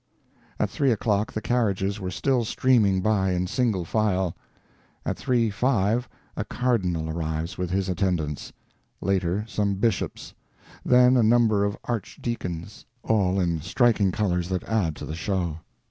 At three o'clock the carriages were still streaming by in single file. At three five a cardinal arrives with his attendants; later some bishops; then a number of archdeacons—all in striking colors that add to the show.